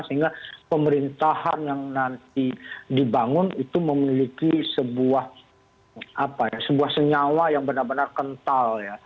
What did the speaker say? sehingga pemerintahan yang nanti dibangun itu memiliki sebuah senyawa yang benar benar kental ya